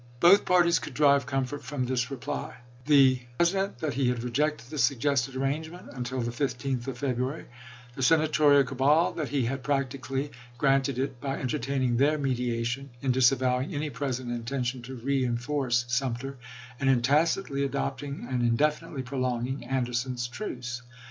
Both parties could derive comfort from this re ply: the President that he had rejected the sug gested arrangement " until the 15th of February "; the Senatorial cabal that he had practically granted it by entertaining their mediation, in disavowing any present intention to reenforce Sumter, and in tacitly adopting and indefinitely prolonging Ander son's truce.